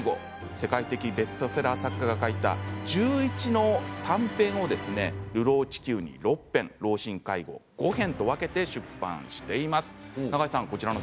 世界的ベストセラー作家が書いた１１の短編を「流浪地球」に６編「老神介護」に５編と分けて出版しています。